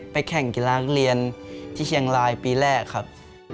แข่งกีฬานักเรียนที่เชียงรายปีแรกครับ